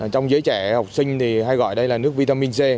trong giới trẻ học sinh thì hay gọi đây là nước vitamin c